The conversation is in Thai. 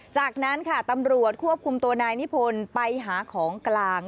จากนั้นค่ะตำรวจควบคุมตัวนายนิพนธ์ไปหาของกลาง